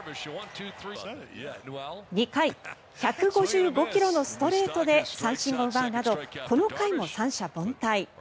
２回、１５５ｋｍのストレートで三振を奪うなどこの回も三者凡退。